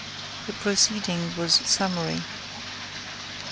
The proceeding was summary.